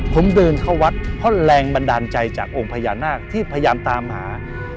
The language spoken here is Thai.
ผมเดินเข้าวัดเพราะแรงบันดาลใจจากองค์พญานาคที่พยายามตามหา